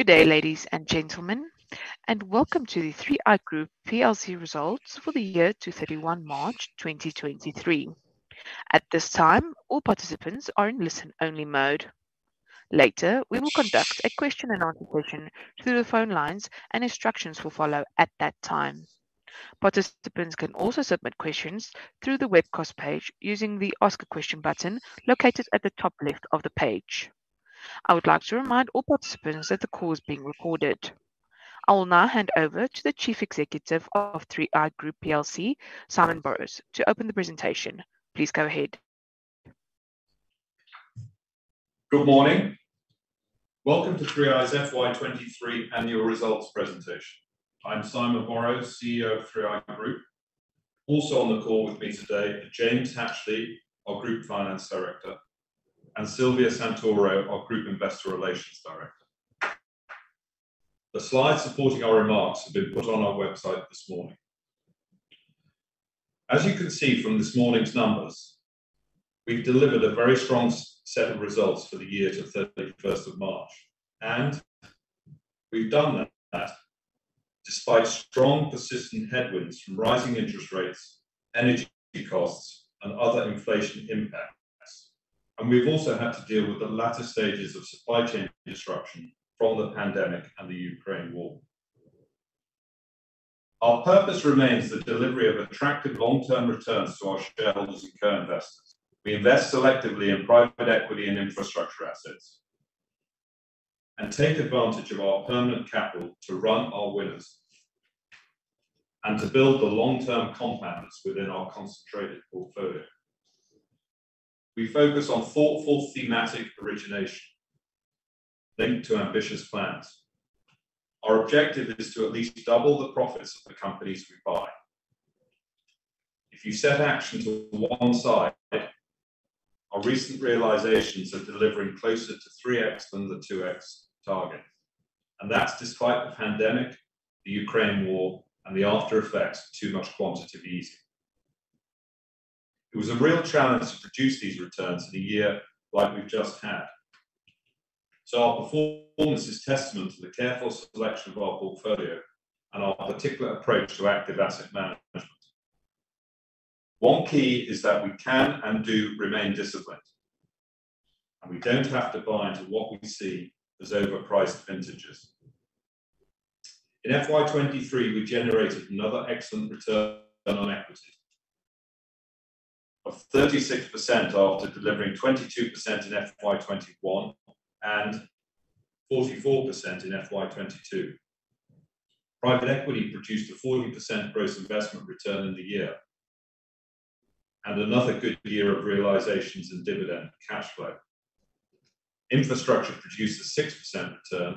Good day, ladies and gentlemen. Welcome to the 3i Group plc results for the year to 31 March 2023. At this time, all participants are in listen-only mode. Later, we will conduct a question and answer session through the phone lines. Instructions will follow at that time. Participants can also submit questions through the Webcast page using the Ask a Question button located at the top left of the page. I would like to remind all participants that the call is being recorded. I will now hand over to the Chief Executive of 3i Group plc, Simon Borrows, to open the presentation. Please go ahead. Good morning. Welcome to 3i's FY 2023 annual results presentation. I'm Simon Borrows, CEO of 3i Group. Also on the call with me today are James Hatchley, our Group Finance Director, and Silvia Santoro, our Group Investor Relations Director. The slides supporting our remarks have been put on our website this morning. As you can see from this morning's numbers, we've delivered a very strong set of results for the year to 31st of March. We've done that despite strong persistent headwinds from rising interest rates, energy costs and other inflation impacts. We've also had to deal with the latter stages of supply chain disruption from the pandemic and the Ukraine war. Our purpose remains the delivery of attractive long-term returns to our shareholders and co-investors. We invest selectively in private equity and infrastructure assets and take advantage of our permanent capital to run our winners and to build the long-term compounds within our concentrated portfolio. We focus on thoughtful, thematic origination linked to ambitious plans. Our objective is to at least double the profits of the companies we buy. If you set Action to one side, our recent realizations are delivering closer to 3x than the 2x target. That's despite the pandemic, the Ukraine war and the after effects of too much quantitative easing. It was a real challenge to produce these returns in a year like we've just had. Our performance is testament to the careful selection of our portfolio and our particular approach to active asset management. One key is that we can and do remain disciplined, and we don't have to buy into what we see as overpriced vintages. In FY 2023, we generated another excellent return on equity of 36% after delivering 22% in FY 2021 and 44% in FY 2022. Private equity produced a 40% gross investment return in the year and another good year of realizations in dividend cash flow. Infrastructure produced a 6% return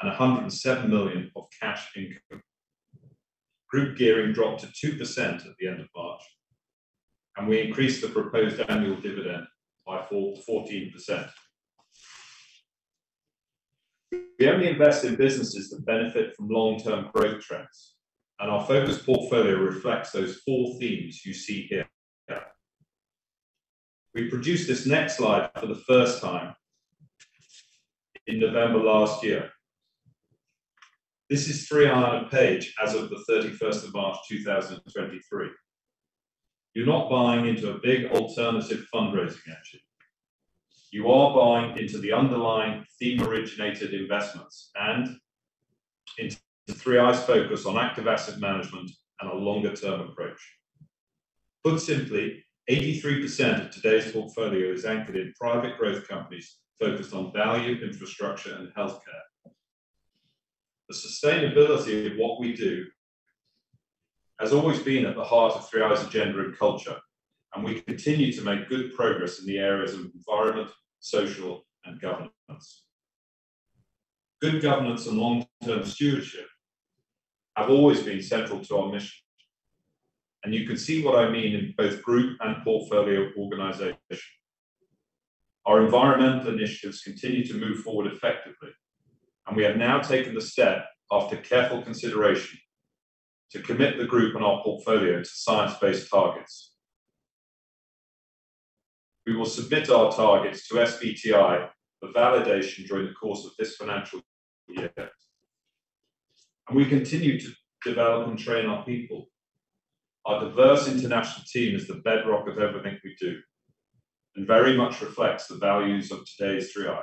and 107 million of cash income. Group gearing dropped to 2% at the end of March, and we increased the proposed annual dividend by 14%. We only invest in businesses that benefit from long-term growth trends, and our focused portfolio reflects those four themes you see here. We produced this next slide for the first time in November last year. This is 3i on a page as of the 31st of March 2023. You're not buying into a big alternative fundraising action. You are buying into the underlying theme-originated investments and into 3i's focus on active asset management and a longer-term approach. Put simply, 83% of today's portfolio is anchored in private growth companies focused on value, infrastructure and healthcare. The sustainability of what we do has always been at the heart of 3i's agenda and culture. We continue to make good progress in the areas of environment, social and governance. Good governance and long-term stewardship have always been central to our mission. You can see what I mean in both group and portfolio organization. Our environmental initiatives continue to move forward effectively. We have now taken the step, after careful consideration, to commit the group and our portfolio to science-based targets. We will submit our targets to SBTi for validation during the course of this financial year. We continue to develop and train our people. Our diverse international team is the bedrock of everything we do and very much reflects the values of today's 3i.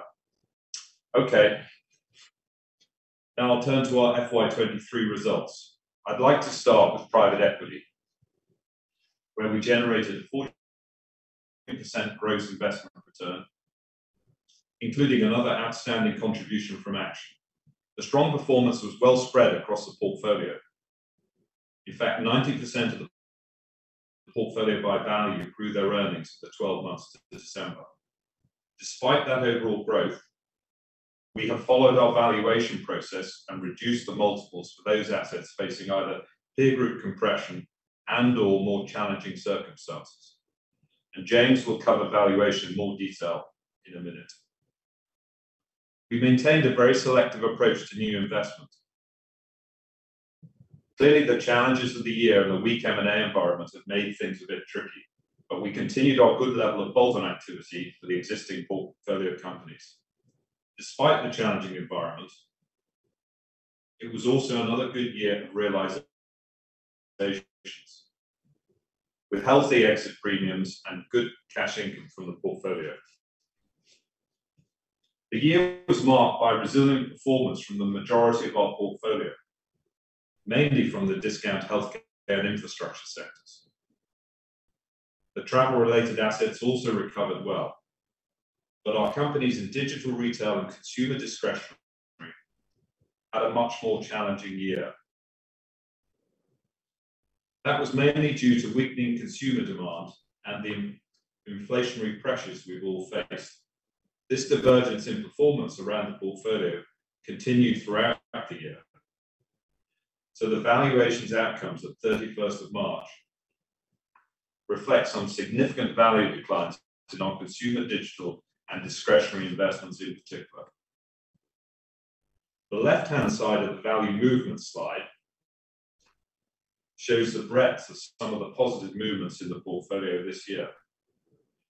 Okay, now I'll turn to our FY 23 results. I'd like to start with private equity, where we generated 40% gross investment return, including another outstanding contribution from Action. The strong performance was well spread across the portfolio. In fact, 90% of the portfolio by value grew their earnings for 12 months to December. Despite that overall growth, we have followed our valuation process and reduced the multiples for those assets facing either peer group compression and/or more challenging circumstances. James will cover valuation in more detail in a minute. We've maintained a very selective approach to new investment. Clearly, the challenges of the year and the weak M&A environment have made things a bit tricky, but we continued our good level of bolt-on activity for the existing portfolio companies. Despite the challenging environment, it was also another good year of realizations with healthy exit premiums and good cash income from the portfolio. The year was marked by resilient performance from the majority of our portfolio, mainly from the discount, healthcare, and infrastructure sectors. The travel-related assets also recovered well, but our companies in digital retail and consumer discretionary had a much more challenging year. That was mainly due to weakening consumer demand and the inflationary pressures we've all faced. This divergence in performance around the portfolio continued throughout the year. The valuations outcomes at 31st of March reflects on significant value declines in our consumer digital and discretionary investments in particular. The left-hand side of the value movement slide shows the breadth of some of the positive movements in the portfolio this year.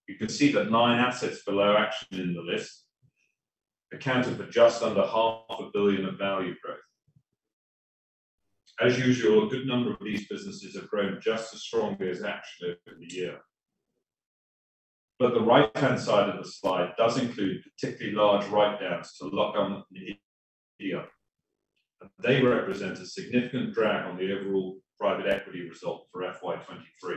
You can see that 9 assets below Action in the list accounted for just under half a billion of value growth. As usual, a good number of these businesses have grown just as strongly as Action over the year. The right-hand side of the slide does include particularly large write-downs to Luqom in the year, and they represent a significant drag on the overall private equity result for FY 2023.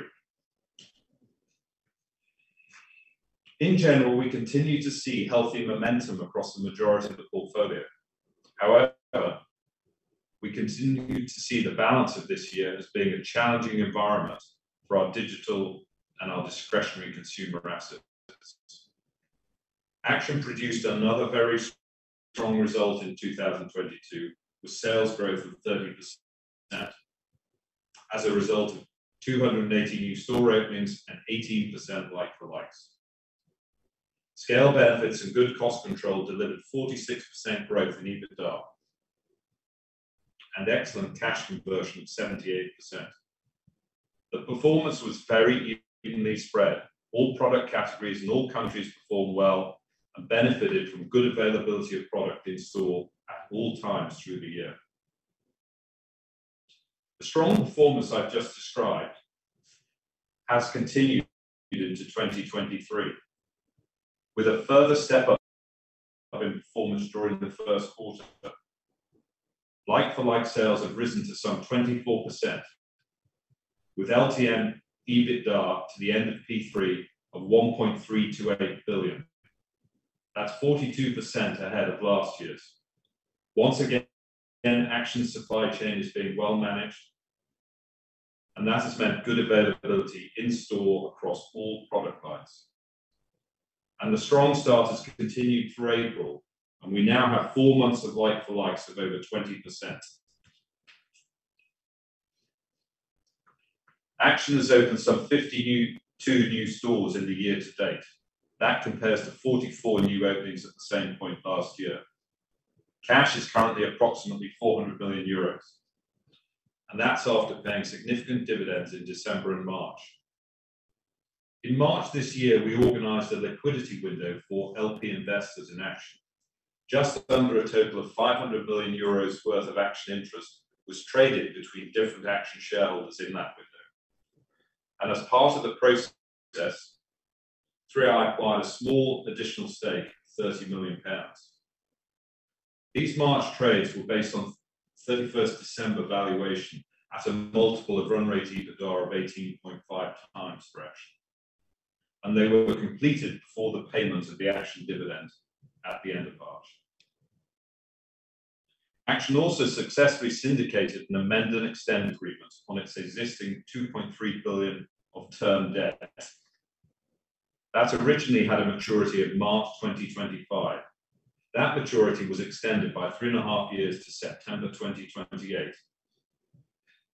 In general, we continue to see healthy momentum across the majority of the portfolio. We continue to see the balance of this year as being a challenging environment for our digital and our discretionary consumer assets. Action produced another very strong result in 2022, with sales growth of 30% as a result of 280 new store openings and 18% like-for-likes. Scale benefits and good cost control delivered 46% growth in EBITDA and excellent cash conversion of 78%. The performance was very evenly spread. All product categories in all countries performed well and benefited from good availability of product in store at all times through the year. The strong performance I've just described has continued into 2023, with a further step up in performance during the first quarter. Like-for-like sales have risen to some 24% with LTM EBITDA to the end of P3 of 1.328 billion. That's 42% ahead of last year's. Once again, Action supply chain is being well managed, and that has meant good availability in store across all product lines. The strong start has continued through April, and we now have four months of like-for-likes of over 20%. Action has opened some 52 new stores in the year to date. That compares to 44 new openings at the same point last year. Cash is currently approximately 400 million euros, and that's after paying significant dividends in December and March. In March this year, we organized a liquidity window for LP investors in Action. Just under a total of 500 million euros worth of Action interest was traded between different Action shareholders in that window. As part of the process, 3i acquired a small additional stake, 30 million pounds. These March trades were based on 31st December valuation at a multiple of run rate EBITDA of 18.5x for Action. They were completed before the payment of the Action dividend at the end of March. Action also successfully syndicated an amend and extend agreement on its existing 2.3 billion of term debt that originally had a maturity of March 2025. That maturity was extended by three and half years to September 2028.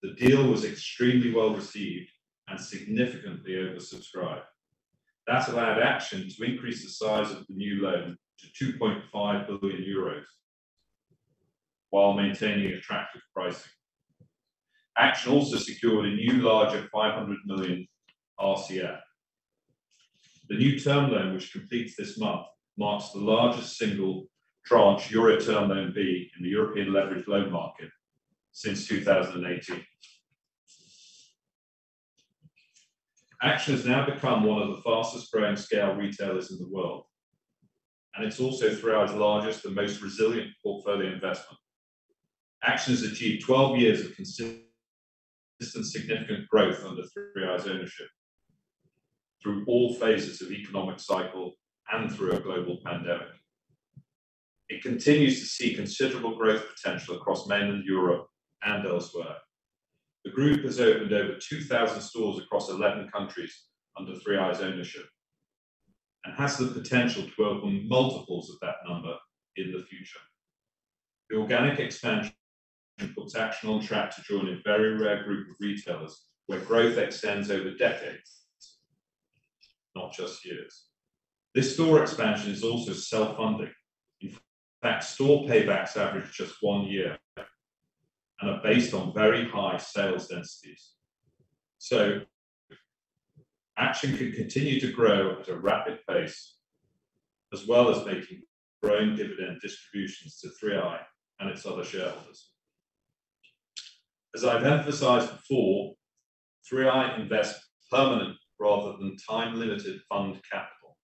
The deal was extremely well-received and significantly oversubscribed. That allowed Action to increase the size of the new loan to 2.5 billion euros while maintaining attractive pricing. Action also secured a new larger 500 million RCF. The new term loan, which completes this month, marks the largest single tranche euro Term Loan B in the European leverage loan market since 2018. Action has now become one of the fastest growing scale retailers in the world, and it's also 3i's largest and most resilient portfolio investment. Action has achieved 12 years of consistent, significant growth under 3i's ownership through all phases of economic cycle and through a global pandemic. It continues to see considerable growth potential across mainland Europe and elsewhere. The group has opened over 2,000 stores across 11 countries under 3i's ownership and has the potential to open multiples of that number in the future. The organic expansion puts Action on track to join a very rare group of retailers where growth extends over decades, not just years. This store expansion is also self-funding. In fact, store paybacks average just one year and are based on very high sales densities. Action can continue to grow at a rapid pace, as well as making growing dividend distributions to 3i and its other shareholders. As I've emphasized before, 3i invests permanent rather than time-limited fund capital,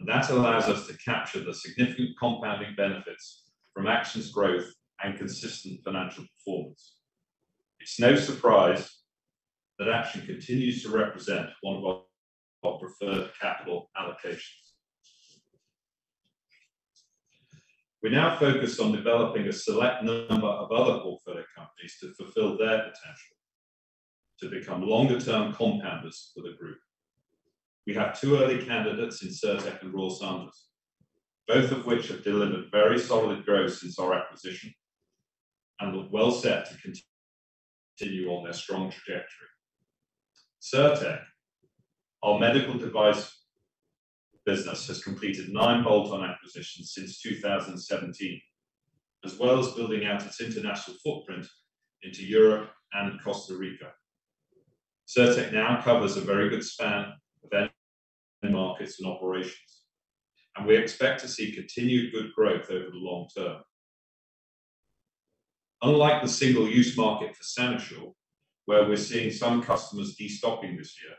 and that allows us to capture the significant compounding benefits from Action's growth and consistent financial performance. It's no surprise that Action continues to represent one of our preferred capital allocations. We now focus on developing a select number of other portfolio companies to fulfill their potential to become longer-term compounders for the group. We have two early candidates in Cirtec and Royal Sanders, both of which have delivered very solid growth since our acquisition and look well set to continue on their strong trajectory. Cirtec, our medical device business, has completed nine bolt-on acquisitions since 2017, as well as building out its international footprint into Europe and Costa Rica. Cirtec now covers a very good span of end markets and operations. We expect to see continued good growth over the long term. Unlike the single-use market for SaniSure, where we're seeing some customers destocking this year,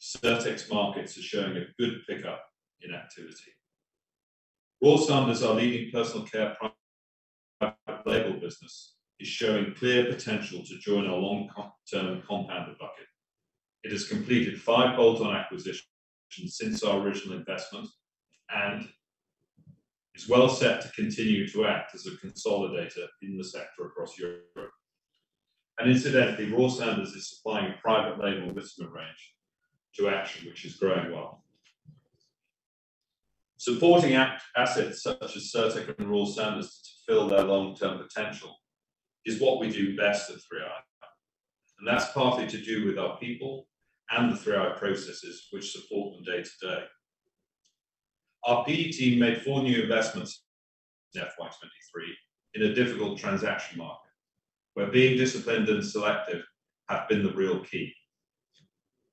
Cirtec's markets are showing a good pickup in activity. Royal Sanders, our leading personal care private label business, is showing clear potential to join our long-term compounder bucket. It has completed five bolt-on acquisitions since our original investment and is well set to continue to act as a consolidator in the sector across Europe. Incidentally, Royal Sanders is supplying a private label Wisma range to Action, which is growing well. Supporting assets such as Cirtec and Royal Sanders to fulfill their long-term potential is what we do best at 3i. That's partly to do with our people and the 3i processes which support them day-to-day. Our PE team made four new investments in FY 2023 in a difficult transaction market, where being disciplined and selective have been the real key.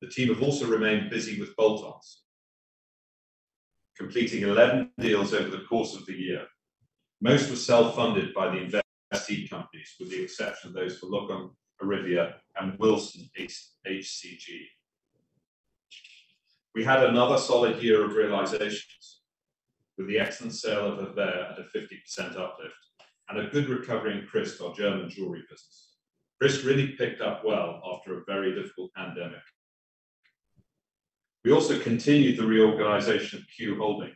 The team have also remained busy with bolt-ons, completing 11 deals over the course of the year. Most were self-funded by the investee companies, with the exception of those for Luqom, Arrivia, and WilsonHCG. We had another solid year of realizations with the excellent sale of Hervé Léger at a 50% uplift and a good recovery in Christ, our German jewelry business. Christ really picked up well after a very difficult pandemic. We also continued the reorganization of Q Holding.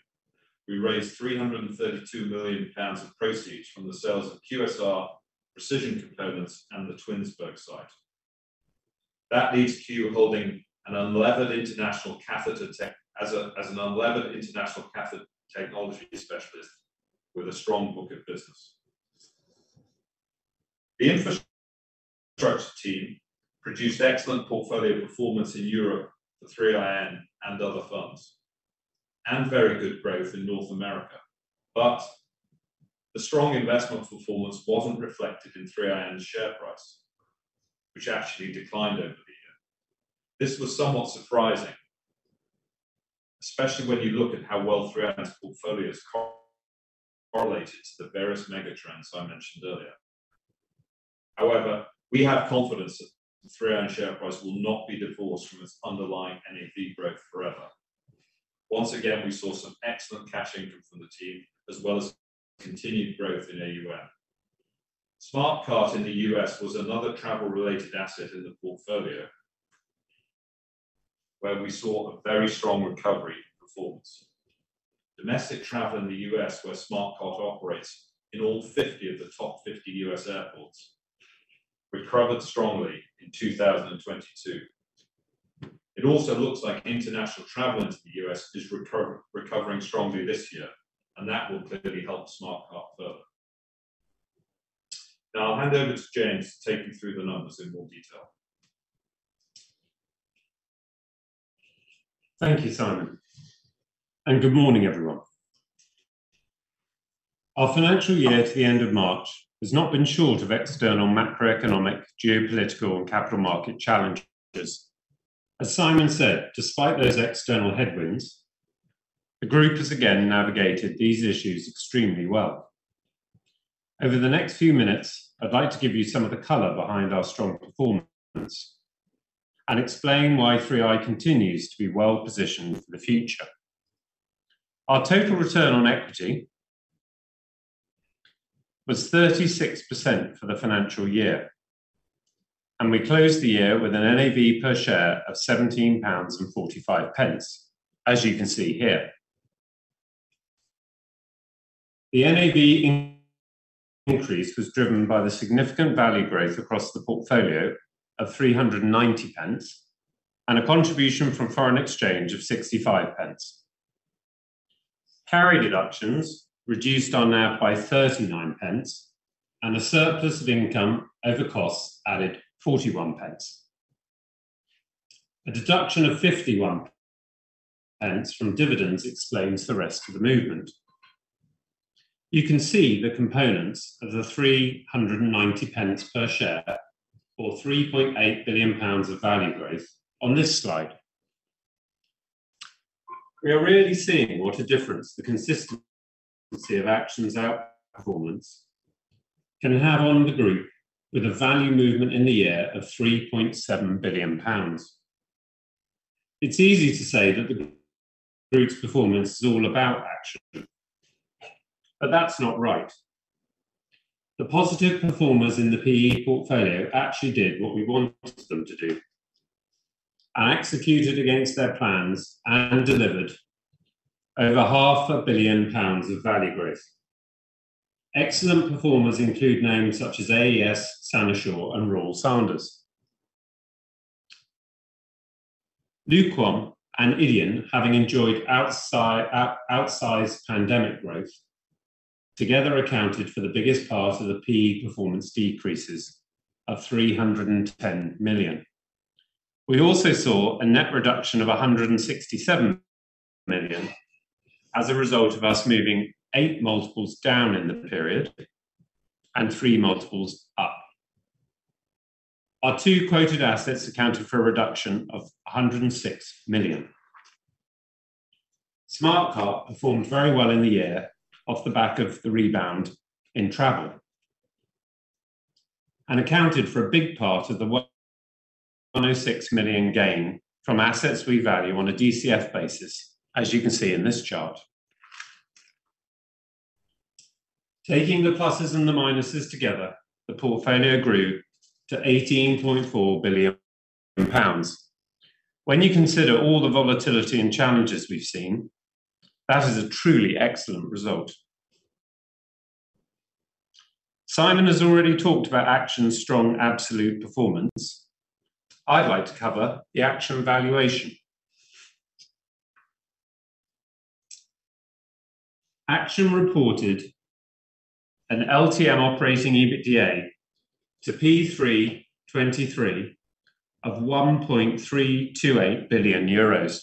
We raised 332 million pounds of proceeds from the sales of QSR, Precision Components, and the Twinsburg site. Q Holding an unlevered international catheter technology specialist with a strong book of business. The infrastructure team produced excellent portfolio performance in Europe for 3iN and other funds, very good growth in North America. The strong investment performance wasn't reflected in 3iN's share price, which actually declined over the year. This was somewhat surprising, especially when you look at how well 3iN's portfolio has correlated to the various mega trends I mentioned earlier. We have confidence that 3iN's share price will not be divorced from its underlying NAV growth forever. Once again, we saw some excellent cash income from the team, as well as continued growth in AUM. Smarte Carte in the U.S. was another travel-related asset in the portfolio, where we saw a very strong recovery in performance. Domestic travel in the U.S., where Smarte Carte operates in all 50 of the top 50 U.S. airports, recovered strongly in 2022. It also looks like international travel into the U.S. is recovering strongly this year, and that will clearly help Smarte Carte further. I'll hand over to James to take you through the numbers in more detail. Thank you, Simon, and good morning, everyone. Our financial year to the end of March has not been short of external macroeconomic, geopolitical, and capital market challenges. As Simon said, despite those external headwinds, the group has again navigated these issues extremely well. Over the next few minutes, I'd like to give you some of the color behind our strong performance and explain why 3i continues to be well-positioned for the future. Our total return on equity was 36% for the financial year, and we closed the year with an NAV per share of 17.45 pounds, as you can see here. The NAV increase was driven by the significant value growth across the portfolio of 3.90 and a contribution from foreign exchange of 0.65. Carry deductions reduced our NAV by 0.39, and a surplus of income over costs added 0.41. A deduction of 51 pence from dividends explains the rest of the movement. You can see the components of the 390 pence per share or 3.8 billion pounds of value growth on this slide. We are really seeing what a difference the consistency of Action's outperformance can have on the group with a value movement in the year of 3.7 billion pounds. It's easy to say that the group's performance is all about Action, that's not right. The positive performers in the PE portfolio actually did what we wanted them to do and executed against their plans and delivered over half a billion pounds of value growth. Excellent performers include names such as AES, SaniSure, and Royal Sanders. Luqom and YDEON, having enjoyed outsized pandemic growth, together accounted for the biggest part of the PE performance decreases of 310 million. We also saw a net reduction of 167 million as a result of us moving 8x down in the period and 3x up. Our two quoted assets accounted for a reduction of 106 million. Smarte Carte performed very well in the year off the back of the rebound in travel and accounted for a big part of the 106 million gain from assets we value on a DCF basis, as you can see in this chart. Taking the pluses and the minuses together, the portfolio grew to 18.4 billion pounds. When you consider all the volatility and challenges we've seen, that is a truly excellent result. Simon has already talked about Action's strong absolute performance. I'd like to cover the Action valuation. Action reported an LTM operating EBITDA to P3 2023 of 1.328 billion euros.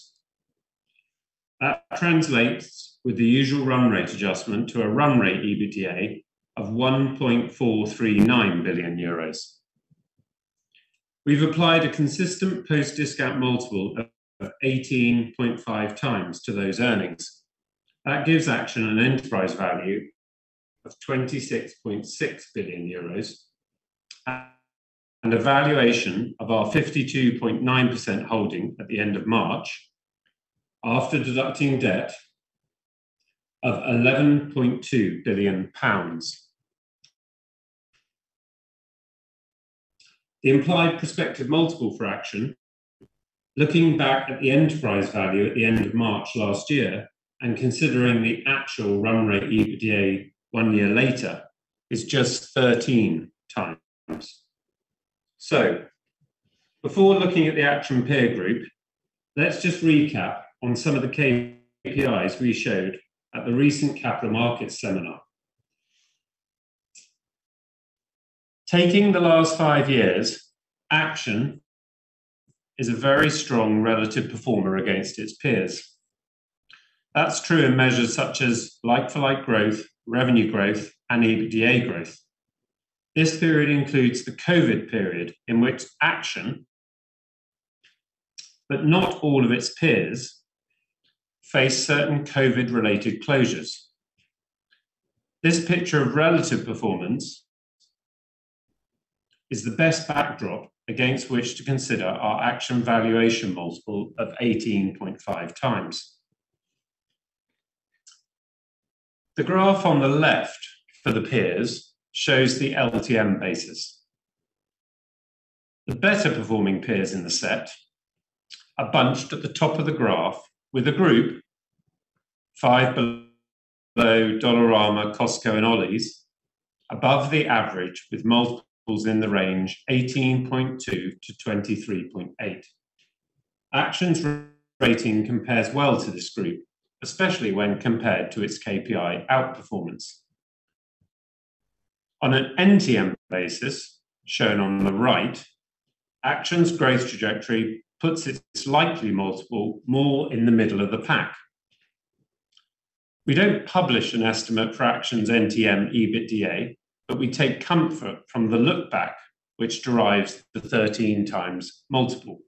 That translates with the usual run rate adjustment to a run rate EBITDA of 1.439 billion euros. We've applied a consistent post-discount multiple of 18.5x to those earnings. That gives Action an enterprise value of 26.6 billion euros and a valuation of our 52.9% holding at the end of March after deducting debt of GBP 11.2 billion. The implied prospective multiple for Action, looking back at the enterprise value at the end of March last year and considering the actual run rate EBITDA one year later, is just 13x. Before looking at the Action peer group, let's just recap on some of the KPIs we showed at the recent Capital Markets seminar. Taking the last five years, Action is a very strong relative performer against its peers. That's true in measures such as like-for-like growth, revenue growth, and EBITDA growth. This period includes the COVID period in which Action, but not all of its peers, faced certain COVID-related closures. This picture of relative performance is the best backdrop against which to consider our Action valuation multiple of 18.5x. The graph on the left for the peers shows the LTM basis. The better performing peers in the set are bunched at the top of the graph with a group five below Dollarama, Costco, and Ollie's above the average with multiples in the range 18.2x-23.8x. Action's rating compares well to this group, especially when compared to its KPI outperformance. On an NTM basis, shown on the right, Action's growth trajectory puts its likely multiple more in the middle of the pack. We don't publish an estimate for Action's NTM EBITDA, but we take comfort from the look-back which drives the 13x multiple.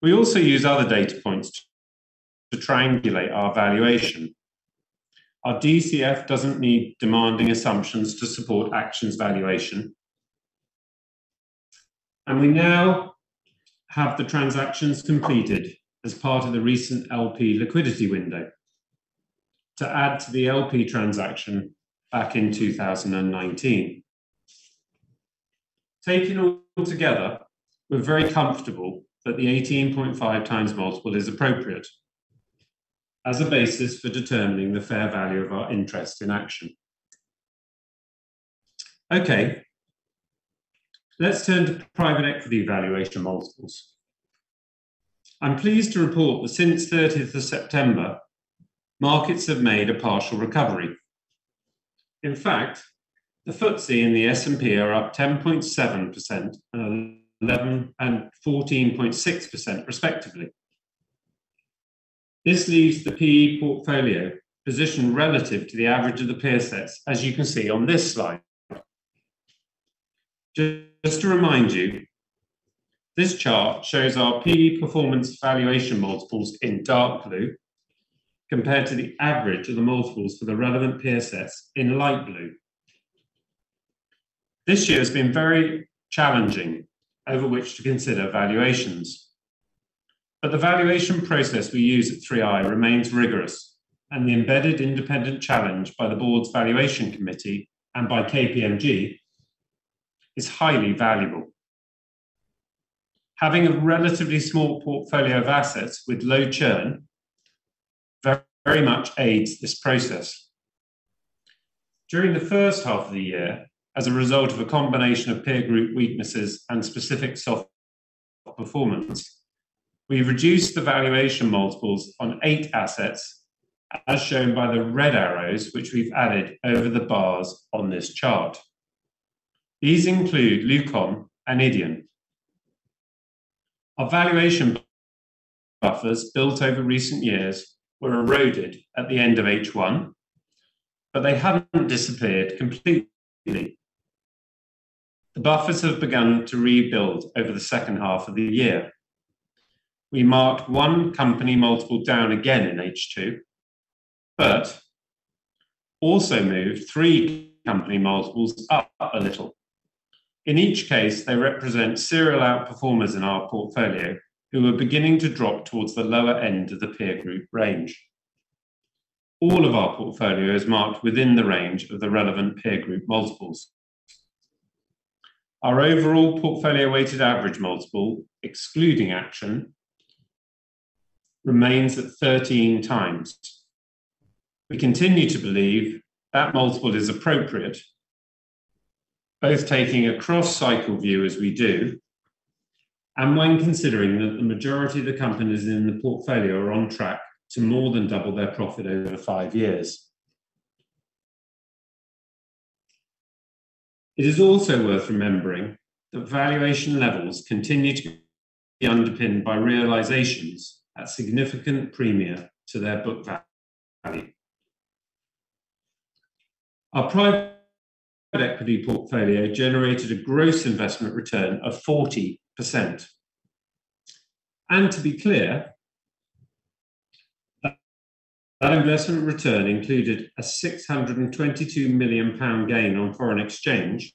We also use other data points to triangulate our valuation. Our DCF doesn't need demanding assumptions to support Action's valuation. I now have the transactions completed as part of the recent LP liquidity window to add to the LP transaction back in 2019. Taken all together, we're very comfortable that the 18.5x multiple is appropriate as a basis for determining the fair value of our interest in Action. Okay, let's turn to private equity valuation multiples. I'm pleased to report that since 30th of September, markets have made a partial recovery. The FTSE and the S&P are up 10.7% and 14.6% respectively. This leaves the PE portfolio positioned relative to the average of the peer sets, as you can see on this slide. Just to remind you, this chart shows our PE performance valuation multiples in dark blue compared to the average of the multiples for the relevant peer sets in light blue. This year has been very challenging over which to consider valuations, but the valuation process we use at 3i remains rigorous, and the embedded independent challenge by the board's valuation committee and by KPMG is highly valuable. Having a relatively small portfolio of assets with low churn very much aids this process. During the first half of the year, as a result of a combination of peer group weaknesses and specific soft performance, we reduced the valuation multiples on eight assets, as shown by the red arrows which we've added over the bars on this chart. These include Luqom and YDEON. Our valuation buffers built over recent years were eroded at the end of H1. They haven't disappeared completely. The buffers have begun to rebuild over the second half of the year. We marked one company multiple down again in H2. Also moved three company multiples up a little. In each case, they represent serial outperformers in our portfolio who are beginning to drop towards the lower end of the peer group range. All of our portfolio is marked within the range of the relevant peer group multiples. Our overall portfolio weighted average multiple, excluding Action, remains at 13x. We continue to believe that multiple is appropriate, both taking a cross-cycle view as we do, and when considering that the majority of the companies in the portfolio are on track to more than double their profit over five years. It is also worth remembering that valuation levels continue to be underpinned by realizations at significant premium to their book value. Our private equity portfolio generated a gross investment return of 40%. To be clear, that investment return included a 622 million pound gain on foreign exchange,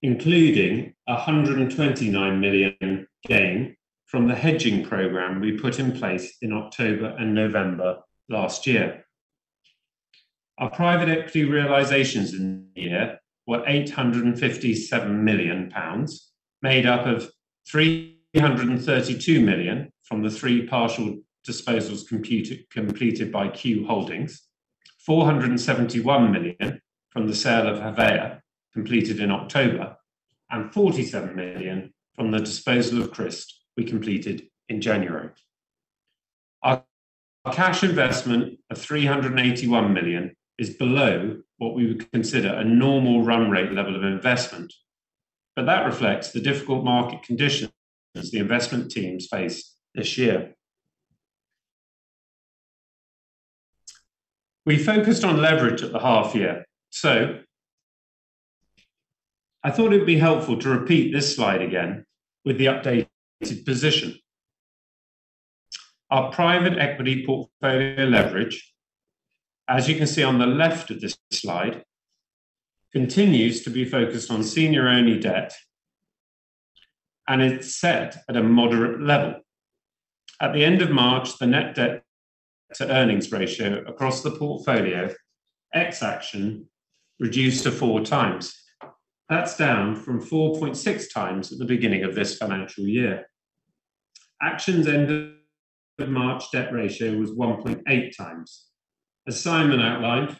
including a 129 million gain from the hedging program we put in place in October and November last year. Our private equity realizations in the year were 857 million pounds, made up of 332 million from the three partial disposals completed by Q Holding, 471 million from the sale of Havea completed in October, and 47 million from the disposal of Christ we completed in January. Our cash investment of 381 million is below what we would consider a normal run rate level of investment, that reflects the difficult market conditions the investment teams faced this year. We focused on leverage at the half year, I thought it would be helpful to repeat this slide again with the updated position. Our private equity portfolio leverage, as you can see on the left of this slide, continues to be focused on senior-only debt, it's set at a moderate level. At the end of March, the net debt to earnings ratio across the portfolio, ex Action, reduced to 4x. That's down from 4.6x at the beginning of this financial year. Action's end of March debt ratio was 1.8x. As Simon outlined,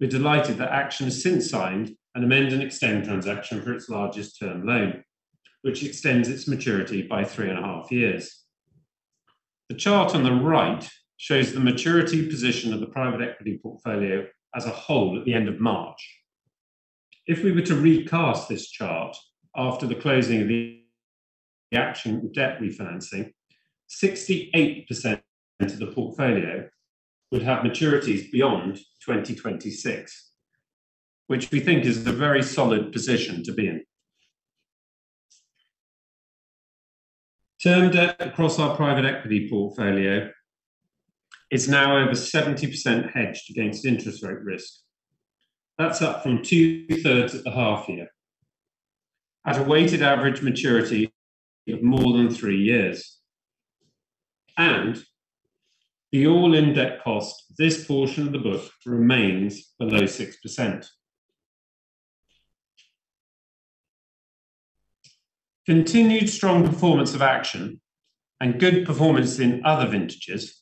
we're delighted that Action has since signed an amend and extend transaction for its largest term loan, which extends its maturity by three and half years. The chart on the right shows the maturity position of the private equity portfolio as a whole at the end of March. If we were to recast this chart after the closing of the Action debt refinancing, 68% of the portfolio would have maturities beyond 2026, which we think is a very solid position to be in. Term debt across our private equity portfolio is now over 70% hedged against interest rate risk. That's up from 2/3 at the half year. At a weighted average maturity of more than three years. The all-in debt cost of this portion of the book remains below 6%. Continued strong performance of Action and good performance in other vintages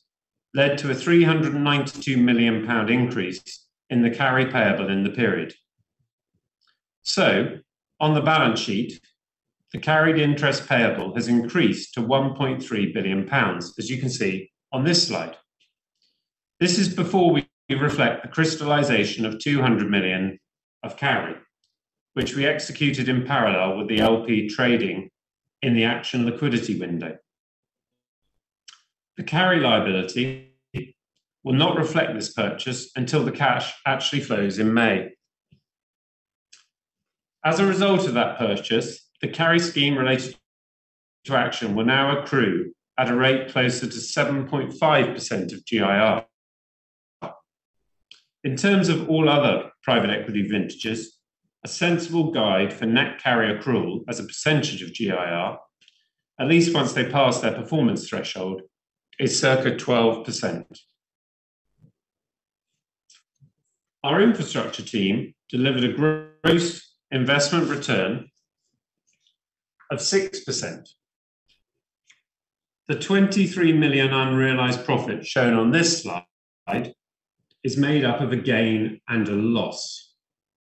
led to a 392 million pound increase in the carry payable in the period. On the balance sheet, the carried interest payable has increased to 1.3 billion pounds, as you can see on this slide. This is before we reflect the crystallization of 200 million of carry, which we executed in parallel with the LP trading in the Action liquidity window. The carry liability will not reflect this purchase until the cash actually flows in May. As a result of that purchase, the carry scheme related to Action will now accrue at a rate closer to 7.5% of GIR. In terms of all other private equity vintages, a sensible guide for net carry accrual as a percentage of GIR, at least once they pass their performance threshold, is circa 12%. Our infrastructure team delivered a gross investment return of 6%. The 23 million unrealized profit shown on this slide is made up of a gain and a loss.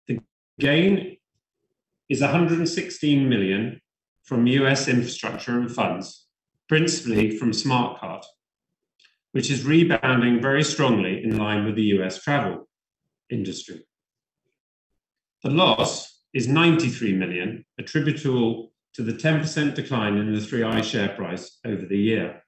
The gain is 116 million from U.S. infrastructure and funds, principally from Smarte Carte, which is rebounding very strongly in line with the U.S. travel industry. The loss is 93 million, attributable to the 10% decline in the 3i share price over the year.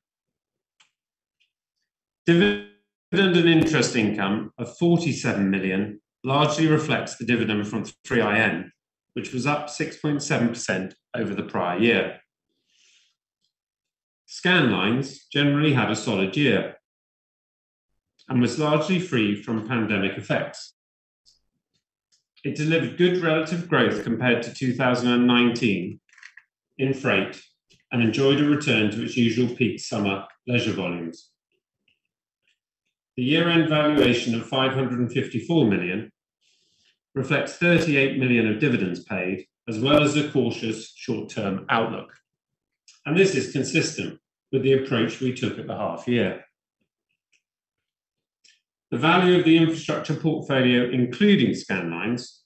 Dividend and interest income of 47 million largely reflects the dividend from 3iN, which was up 6.7% over the prior year. Scandlines generally had a solid year and was largely free from pandemic effects. It delivered good relative growth compared to 2019 in freight and enjoyed a return to its usual peak summer leisure volumes. The year-end valuation of 554 million reflects 38 million of dividends paid, as well as a cautious short-term outlook. This is consistent with the approach we took at the half year. The value of the infrastructure portfolio, including Scandlines,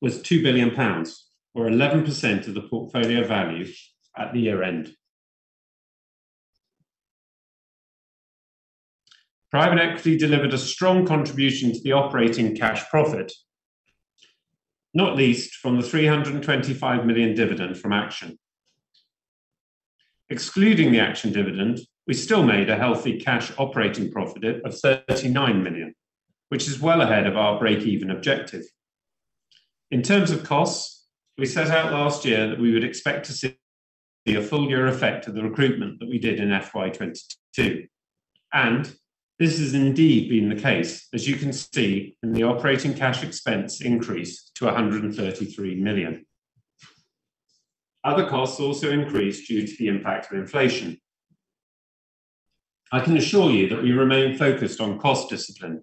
was 2 billion pounds, or 11% of the portfolio value at the year-end. Private equity delivered a strong contribution to the operating cash profit, not least from the 325 million dividend from Action. Excluding the Action dividend, we still made a healthy cash operating profit of 39 million, which is well ahead of our break-even objective. In terms of costs, we set out last year that we would expect to see a full-year effect of the recruitment that we did in FY 2022. This has indeed been the case, as you can see in the operating cash expense increase to 133 million. Other costs also increased due to the impact of inflation. I can assure you that we remain focused on cost discipline.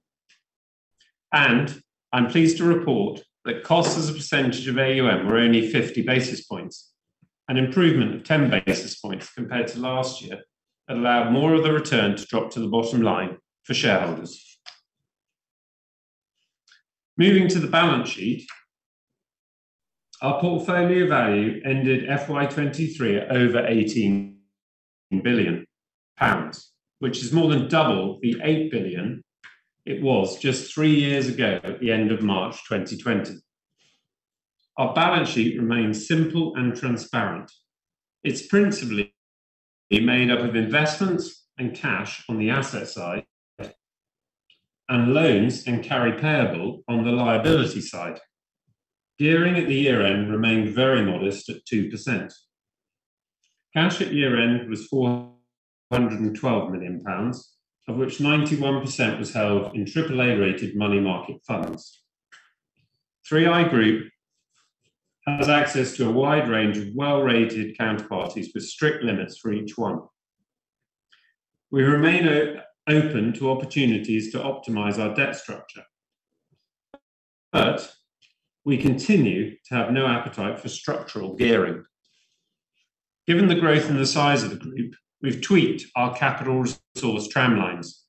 I'm pleased to report that costs as a % of AUM were only 50 basis points. An improvement of 10 basis points compared to last year allowed more of the return to drop to the bottom line for shareholders. Moving to the balance sheet. Our portfolio value ended FY 2023 at over 18 billion pounds, which is more than double the 8 billion it was just three years ago at the end of March 2020. Our balance sheet remains simple and transparent. It's principally made up of investments and cash on the asset side and loans and carry payable on the liability side. Gearing at the year-end remained very modest at 2%. Cash at year-end was 412 million pounds, of which 91% was held in AAA-rated money market funds. 3i Group has access to a wide range of well-rated counterparties with strict limits for each one. We remain open to opportunities to optimize our debt structure, but we continue to have no appetite for structural gearing. Given the growth in the size of the Group, we've tweaked our capital resource tramlines.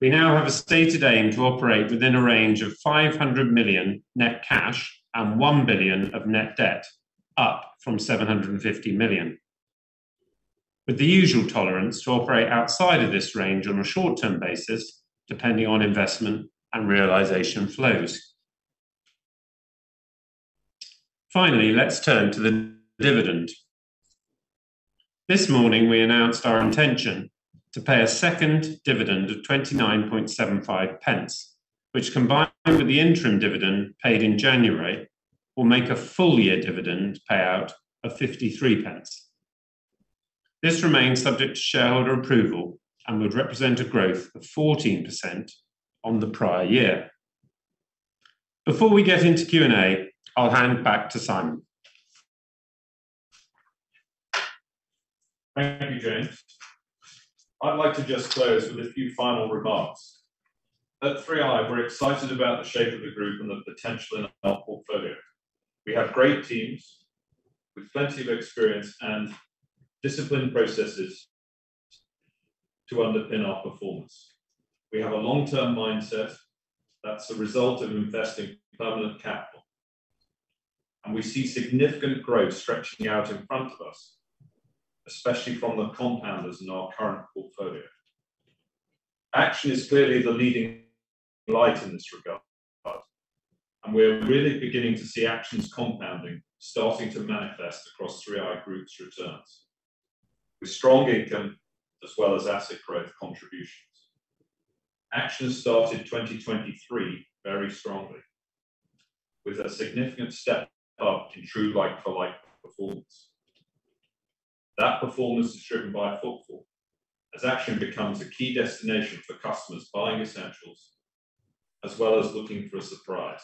We now have a stated aim to operate within a range of 500 million net cash and 1 billion of net debt, up from 750 million, with the usual tolerance to operate outside of this range on a short-term basis, depending on investment and realization flows. Finally, let's turn to the dividend. This morning, we announced our intention to pay a second dividend of 29.75 pence, which, combined with the interim dividend paid in January, will make a full-year dividend payout of 53 pence. This remains subject to shareholder approval and would represent a growth of 14% on the prior year. Before we get into Q&A, I'll hand back to Simon. Thank you, James. I'd like to just close with a few final remarks. At 3i, we're excited about the shape of the group and the potential in our portfolio. We have great teams with plenty of experience and disciplined processes to underpin our performance. We have a long-term mindset that's a result of investing permanent capital, and we see significant growth stretching out in front of us, especially from the compounders in our current portfolio. Action is clearly the leading light in this regard, and we're really beginning to see Action's compounding starting to manifest across 3i Group's returns with strong income as well as asset growth contributions. Action has started 2023 very strongly, with a significant step up in true like-for-like performance. That performance is driven by footfall as Action becomes a key destination for customers buying essentials, as well as looking for a surprise.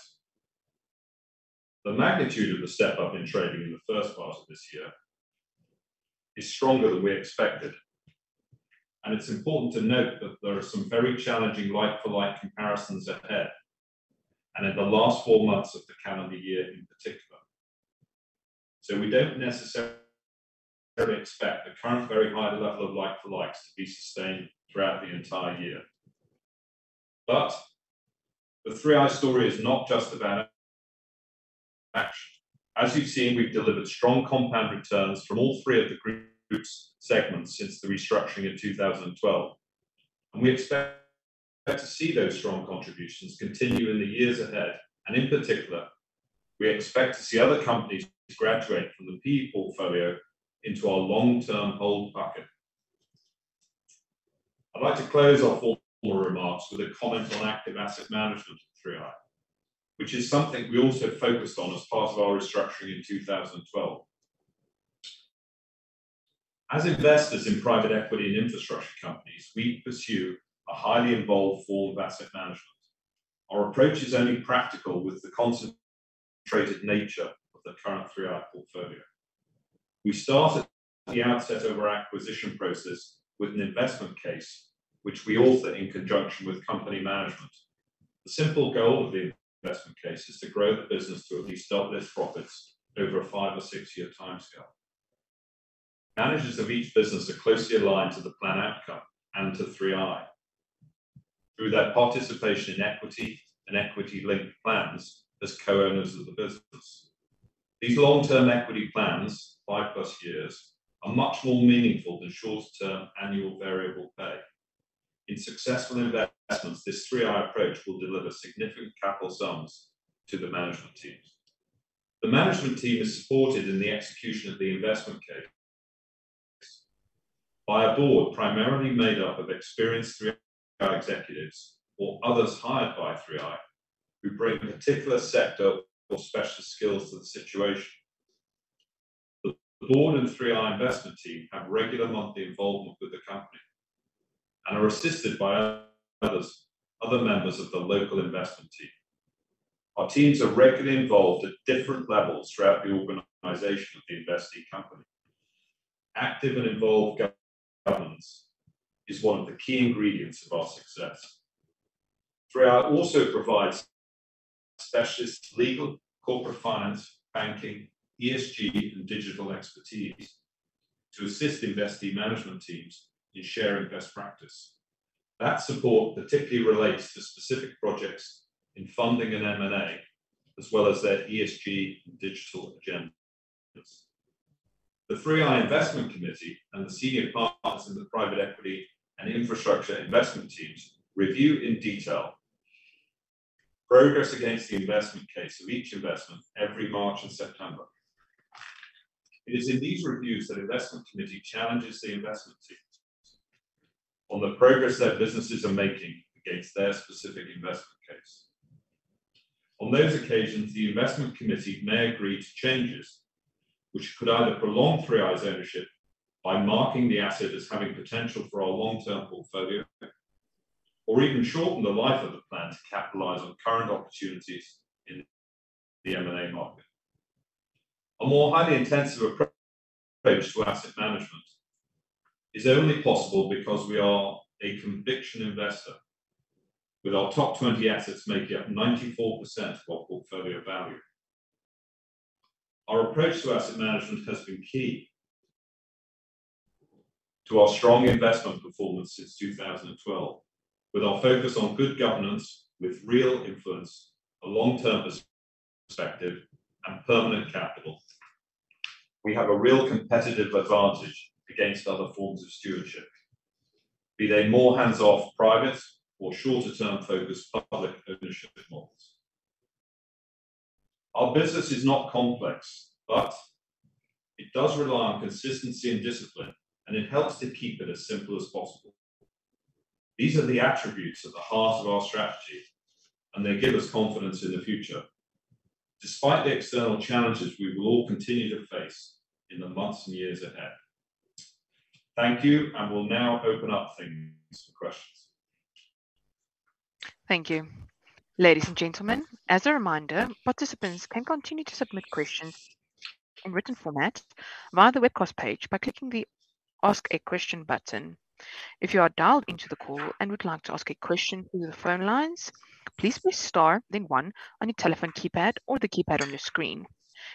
The magnitude of the step-up in trading in the first part of this year is stronger than we expected, it's important to note that there are some very challenging like-for-like comparisons ahead, in the last four months of the calendar year in particular. We don't necessarily expect the current very high level of like-for-likes to be sustained throughout the entire year. The 3i story is not just about Action. As you've seen, we've delivered strong compound returns from all three of the group's segments since the restructuring in 2012, we expect to see those strong contributions continue in the years ahead. In particular, we expect to see other companies graduate from the P portfolio into our long-term hold bucket. I'd like to close off all remarks with a comment on active asset management at 3i, which is something we also focused on as part of our restructuring in 2012. As investors in private equity and infrastructure companies, we pursue a highly involved form of asset management. Our approach is only practical with the concentrated nature of the current 3i portfolio. We start at the outset of our acquisition process with an investment case, which we author in conjunction with company management. The simple goal of the investment case is to grow the business to at least double its profits over a five or six-year timescale. Managers of each business are closely aligned to the plan outcome and to 3i through their participation in equity and equity-linked plans as co-owners of the business. These long-term equity plans, 5+ years, are much more meaningful than short-term annual variable pay. In successful investments, this 3i approach will deliver significant capital sums to the management teams. The management team is supported in the execution of the investment case by a board primarily made up of experienced 3i executives or others hired by 3i, who bring particular sector or specialist skills to the situation. The board and 3i investment team have regular monthly involvement with the company and are assisted by other members of the local investment team. Our teams are regularly involved at different levels throughout the organization of the investee company. Active and involved governance is one of the key ingredients of our success. 3i also provides specialist legal, corporate finance, banking, ESG, and digital expertise to assist investee management teams in sharing best practice. That support particularly relates to specific projects in funding and M&A, as well as their ESG and digital agendas. The 3i investment committee and the senior partners in the private equity and infrastructure investment teams review in detail progress against the investment case of each investment every March and September. It is in these reviews that investment committee challenges the investment teams on the progress their businesses are making against their specific investment case. On those occasions, the investment committee may agree to changes which could either prolong 3i's ownership by marking the asset as having potential for our long-term portfolio, or even shorten the life of the plan to capitalize on current opportunities in the M&A market. A more highly intensive approach to asset management is only possible because we are a conviction investor with our top 20 assets making up 94% of our portfolio value. Our approach to asset management has been key to our strong investment performance since 2012. With our focus on good governance, with real influence, a long-term perspective, and permanent capital, we have a real competitive advantage against other forms of stewardship, be they more hands-off private or shorter-term focused public ownership models. Our business is not complex, but it does rely on consistency and discipline, and it helps to keep it as simple as possible. These are the attributes at the heart of our strategy. They give us confidence in the future, despite the external challenges we will all continue to face in the months and years ahead. Thank you. We'll now open up things for questions. Thank you. Ladies and gentlemen, as a reminder, participants can continue to submit questions in written format via the webcast page by clicking the Ask a Question button. If you are dialed into the call and would like to ask a question through the phone lines, please press star then one on your telephone keypad or the keypad on your screen.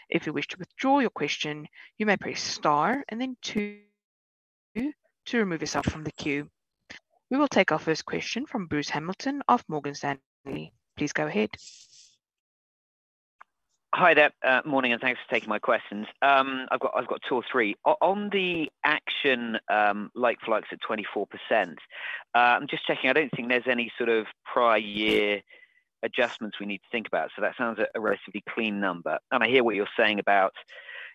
If you wish to withdraw your question, you may press star and then two to remove yourself from the queue. We will take our first question from Bruce Hamilton of Morgan Stanley. Please go ahead. Hi there. Morning, thanks for taking my questions. I've got two or three. On the Action like-for-likes at 24%, I'm just checking. I don't think there's any sort of prior year adjustments we need to think about, so that sounds a relatively clean number. I hear what you're saying about,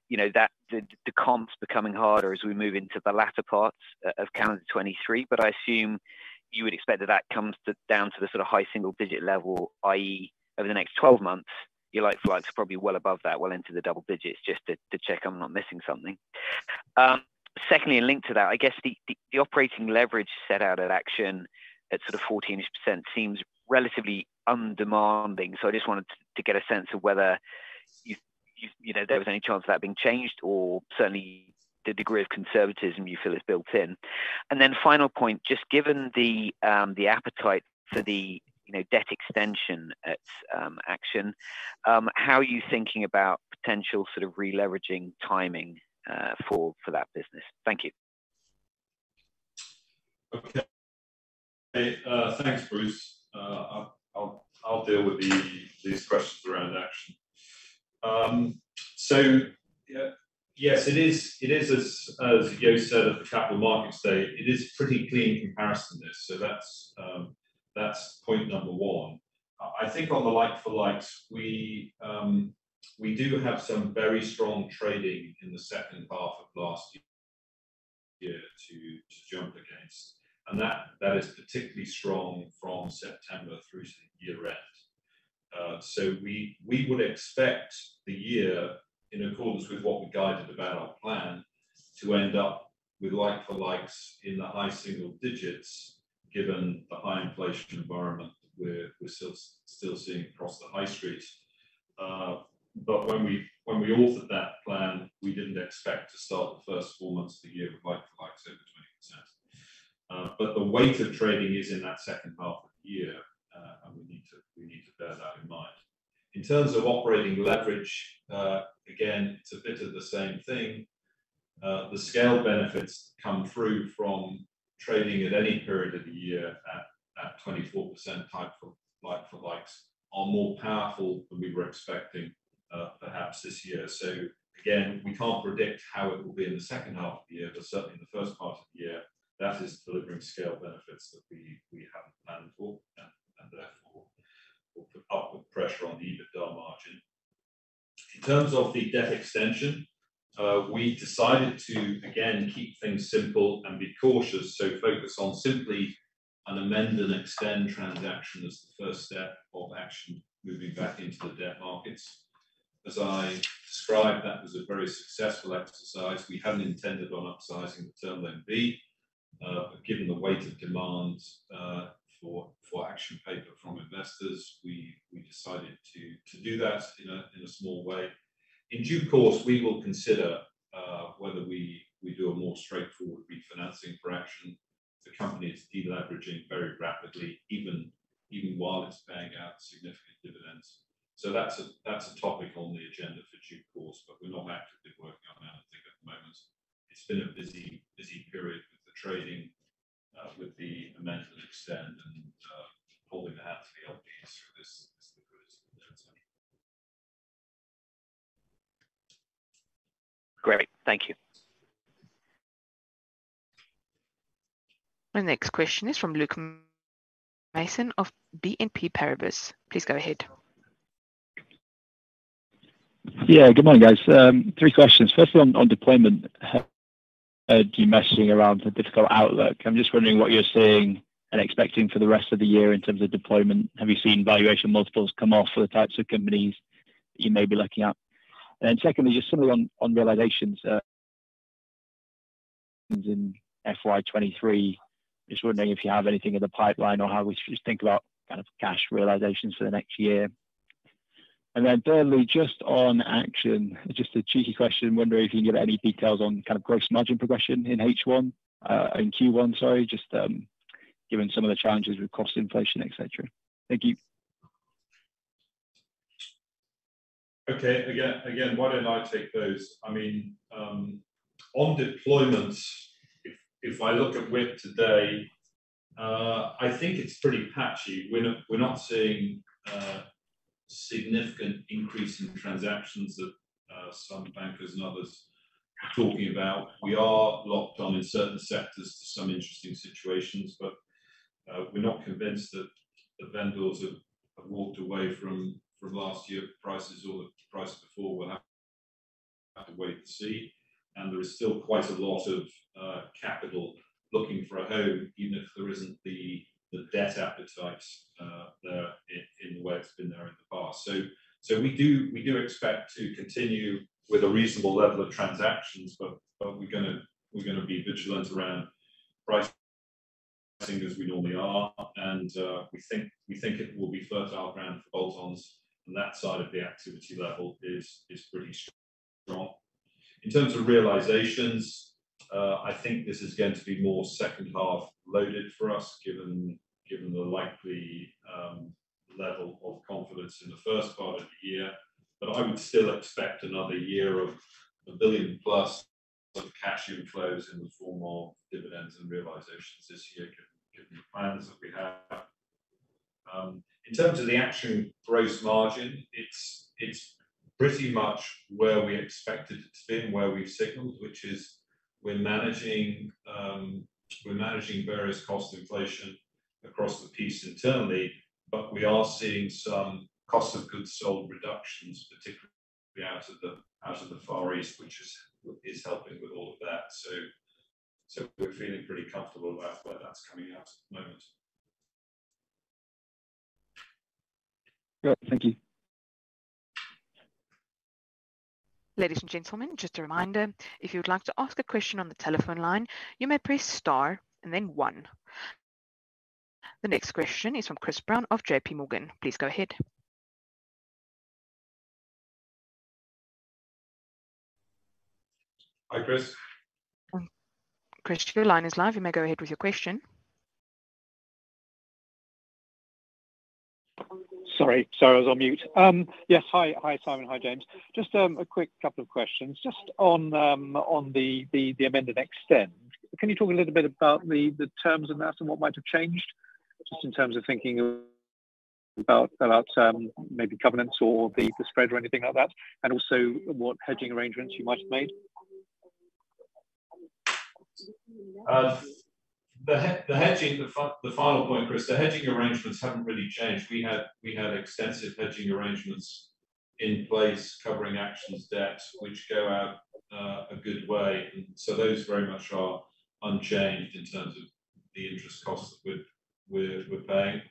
you know, that the comps becoming harder as we move into the latter parts of calendar 2023. I assume you would expect that that comes down to the sort of high single-digit level, i.e., over the next 12 months your like-for-likes are probably well above that, well into the double-digits. Just to check I'm not missing something. Secondly, linked to that, I guess the operating leverage set out at Action at sort of 14-ish% seems relatively undemanding. I just wanted to get a sense of whether you know, there was any chance of that being changed, or certainly the degree of conservatism you feel is built in. Final point, just given the appetite for the, you know, debt extension at Action, how are you thinking about potential sort of releveraging timing for that business? Thank you. Okay. Thanks, Bruce. I'll deal with these questions around Action. Yeah. Yes, it is, it is as Jo said at the capital markets day, it is pretty clean comparison this. That's point number one. I think on the like-for-likes, we do have some very strong trading in the second half of last year to jump against, and that is particularly strong from September through to year end. We would expect the year in accordance with what we guided about our plan to end up with like-for-likes in the high single digits, given the high inflation environment we're still seeing across the high street. When we authored that plan, we didn't expect to start the first four months of the year with like-for-likes over 20%. The weight of trading is in that second half of the year. We need to bear that in mind. In terms of operating leverage, again, it's a bit of the same thing. The scale benefits come through from trading at any period of the year at 24% like-for-likes are more powerful than we were expecting, perhaps this year. Again, we can't predict how it will be in the second half of the year, but certainly in the first part of the year, that is delivering scale benefits that we hadn't planned for, and therefore will put upward pressure on the EBITDA margin. In terms of the debt extension, we decided to again, keep things simple and be cautious, so focus on simply an amend and extend transaction as the first step of Action moving back into the debt markets. As I described, that was a very successful exercise. We hadn't intended on upsizing the Term Loan B. Given the weight of demand, for Action paper from investors, we decided to do that in a small way. In due course, we will consider whether we do a more straightforward refinancing for Action. The company is de-leveraging very rapidly, even while it's paying out significant dividends. That's a topic on the agenda for due course, but we're not actively working on that I think at the moment. It's been a busy period with the trading, with the amend and extend and holding the hat for the LPs through this liquidity event. Great. Thank you. Our next question is from Luke Mason of BNP Paribas. Please go ahead. Good morning, guys. Three questions. First one on deployment. Heard you messing around with a difficult outlook. I'm just wondering what you're seeing and expecting for the rest of the year in terms of deployment. Have you seen valuation multiples come off for the types of companies that you may be looking at? Then secondly, just similar on realizations in FY 2023. Just wondering if you have anything in the pipeline or how we should think about kind of cash realizations for the next year. Then thirdly, just on Action, just a cheeky question. Wondering if you can give any details on kind of gross margin progression in H1. In Q1, sorry. Just given some of the challenges with cost inflation, et cetera. Thank you. Okay. Again, why don't I take those? I mean, on deployment, if I look at where today, I think it's pretty patchy. We're not seeing significant increase in transactions that some bankers and others are talking about. We are locked on in certain sectors to some interesting situations, but we're not convinced that the vendors have walked away from last year prices or the price before. We'll have to wait to see. There is still quite a lot of capital looking for a home, even if there isn't the debt appetite there in the way it's been there in the past. We do expect to continue with a reasonable level of transactions, but we're gonna be vigilant around pricing as we normally are. We think it will be fertile ground for add-ons and that side of the activity level is pretty strong. I would still expect another year of 1 billion+ of cash inflows in the form of dividends and realizations this year given the plans that we have. In terms of the Action gross margin, it's pretty much where we expected it to be and where we've signaled, which is we're managing various cost inflation across the piece internally, but we are seeing some cost of goods sold reductions, particularly out of the Far East, which is helping with all of that. We're feeling pretty comfortable about where that's coming out at the moment. Great. Thank you. Ladies and gentlemen, just a reminder, if you would like to ask a question on the telephone line, you may press star and then one. The next question is from Chris Brown of JPMorgan. Please go ahead. Hi, Chris. Chris, your line is live. You may go ahead with your question. Sorry, I was on mute. Yes. Hi, Simon. Hi, James. Just a quick couple of questions. Just on the amended extend, can you talk a little bit about the terms of that and what might have changed? Just in terms of thinking about maybe covenants or the spread or anything like that, and also what hedging arrangements you might have made? The hedging, the final point, Chris, the hedging arrangements haven't really changed. We had extensive hedging arrangements in place covering Action's debt, which go out a good way. Those very much are unchanged in terms of the interest costs that we're paying.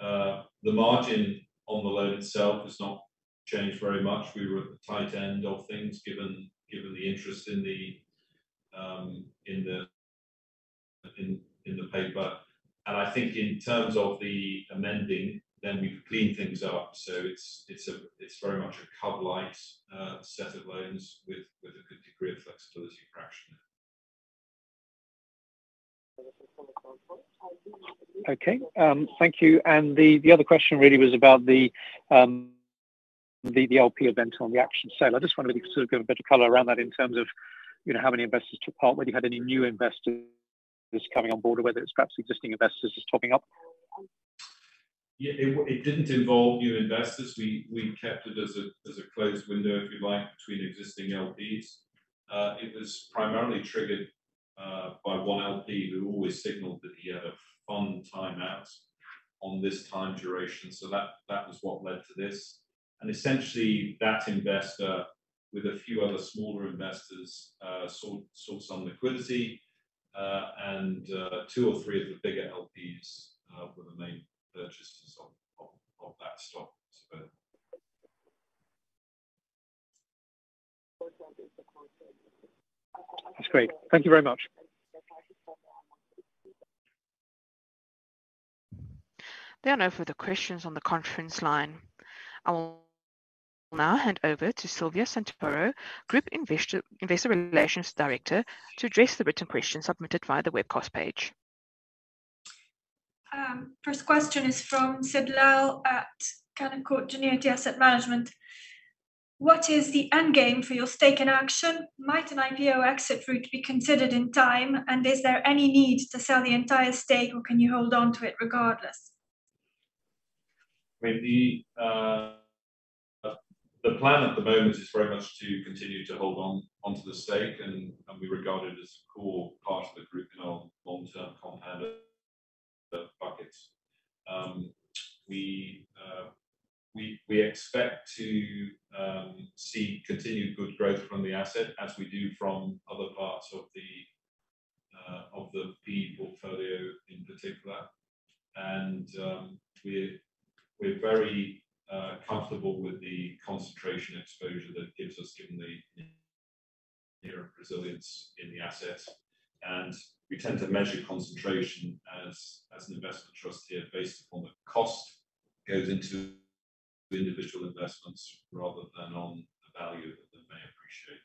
The margin on the loan itself has not changed very much. We were at the tight end of things given the interest in the paper. I think in terms of the amending, then we've cleaned things up. It's very much a cov-lite set of loans with a good degree of flexibility for Action. Okay. Thank you. The other question really was about the LP event on the Action sale. I just wanted to sort of get a bit of color around that in terms of, you know, how many investors took part, whether you had any new investors coming on board, or whether it's perhaps existing investors just topping up. Yeah, it didn't involve new investors. We kept it as a closed window, if you like, between existing LPs. It was primarily triggered by one LP who always signaled that he had a fund timeout on this time duration. That was what led to this. Essentially that investor, with a few other smaller investors, sought some liquidity. Two or three of the bigger LPs were the main purchasers of that stock. That's great. Thank you very much. There are no further questions on the conference line. I will now hand over to Silvia Santoro, Group Investor Relations Director, to address the written questions submitted via the webcast page. First question is from Sid Lall at Canaccord Genuity. What is the end game for your stake in Action? Might an IPO exit route be considered in time? Is there any need to sell the entire stake or can you hold onto it regardless? I mean, the plan at the moment is very much to continue to hold onto the stake and we regard it as a core part of the group in our long-term compound bucket. We expect to see continued good growth from the asset as we do from other parts of the PE portfolio in particular. We're very comfortable with the concentration exposure that it gives us given the resilience in the asset. We tend to measure concentration as an investment trust here based upon the cost goes into individual investments rather than on the value that they may appreciate.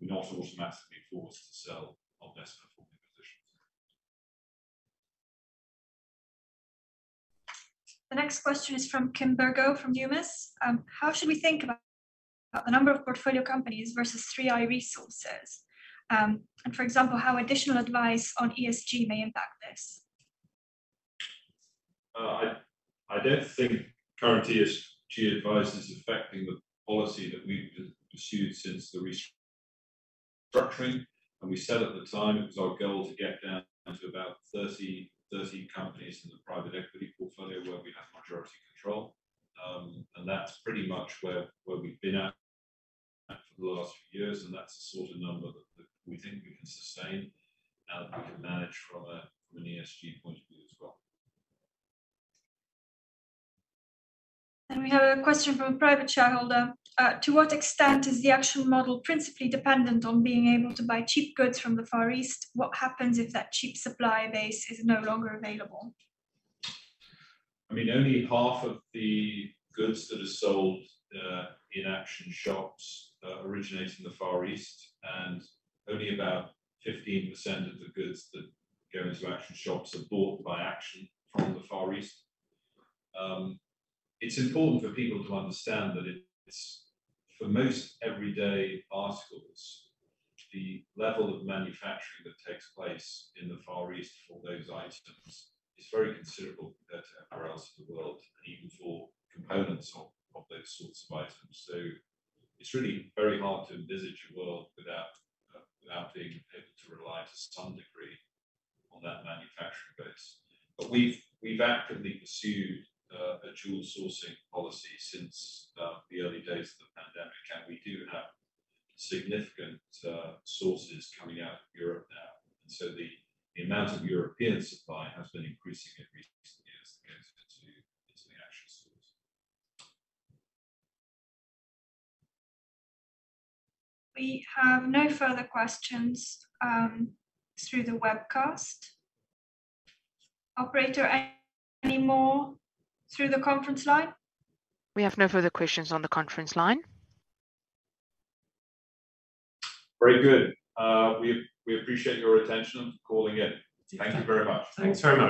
We're not automatically forced to sell our best performing positions. The next question is from Kim Burgo from Dumas. How should we think about the number of portfolio companies versus 3i resources? For example, how additional advice on ESG may impact this? I don't think current ESG advice is affecting the policy that we've pursued since the restructuring. We said at the time, it was our goal to get down to about 30 companies in the private equity portfolio where we have majority control. That's pretty much where we've been at for the last few years, and that's the sort of number that we think we can sustain, that we can manage from a, from an ESG point of view as well. We have a question from a private shareholder. To what extent is the Action model principally dependent on being able to buy cheap goods from the Far East? What happens if that cheap supply base is no longer available? I mean, only half of the goods that are sold in Action shops originate from the Far East. Only about 15% of the goods that go into Action shops are bought by Action from the Far East. It's important for people to understand that it's, for most everyday articles, the level of manufacturing that takes place in the Far East for those items is very considerable compared to everywhere else in the world, and even for components of those sorts of items. It's really very hard to envisage a world without being able to rely to some degree on that manufacturing base. We've actively pursued a dual sourcing policy since the early days of the pandemic, and we do have significant sources coming out of Europe now. The amount of European supply has been increasing every recent years into the Action stores. We have no further questions through the webcast. Operator, any more through the conference line? We have no further questions on the conference line. Very good. We appreciate your attention and for calling in. Thank you very much. Thanks very much.